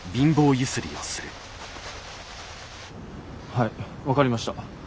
はい分かりました。